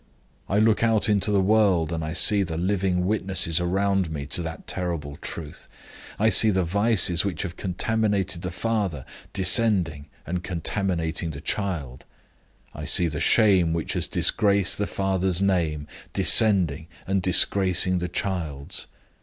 I look out into the world, and I see the living witnesses round me to that terrible truth. I see the vices which have contaminated the father descending, and contaminating the child; I see the shame which has disgraced the father's name descending, and disgracing the child's.